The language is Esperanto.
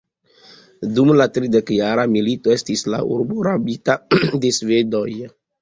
Dum la tridekjara milito estis la urbo rabita de svedoj.